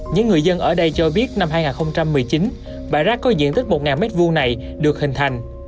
những người dân ở đây cho biết năm hai nghìn một mươi chín bãi rác có diện tích một m hai này được hình thành